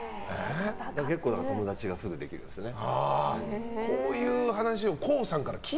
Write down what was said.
だから結構友達がすぐできるんですよね。